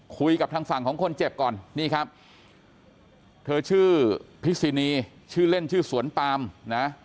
คุยกับทางฝั่งของคนเจ็บก่อนนี่ครับเธอชื่อพิษินีชื่อเล่นชื่อสวนปามนะ